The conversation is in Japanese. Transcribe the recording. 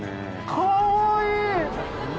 かわいい！